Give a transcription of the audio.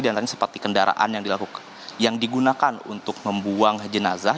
dan lain seperti kendaraan yang digunakan untuk membuang jenazah